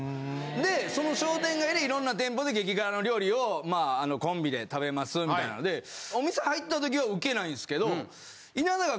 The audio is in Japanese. でその商店街で色んな店舗で激辛の料理をまああのコンビで食べますみたいなのでお店入ったときはウケないんですけど。